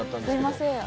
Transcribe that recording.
すいません。